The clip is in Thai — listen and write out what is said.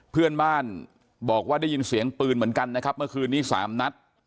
เพื่อนบ้านบอกว่าได้ยินเสียงปืนเหมือนกันนะครับเมื่อคืนนี้๓นัด